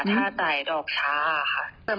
ถ้าจ่ายดอกช้า